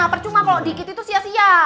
percuma kalau dikit itu sia sia